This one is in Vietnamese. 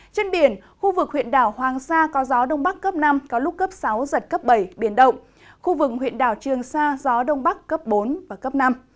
trên biển khu vực huyện đảo hoàng sa có gió đông bắc cấp năm có lúc cấp sáu giật cấp bảy biển động khu vực huyện đảo trường sa gió đông bắc cấp bốn và cấp năm